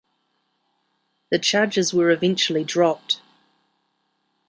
The charges were eventually dropped.